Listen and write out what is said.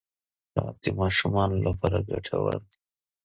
شات د ماشومانو لپاره ګټور دي.